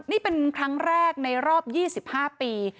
นี่เป็นครั้งแรกในรอบ๒๕ปี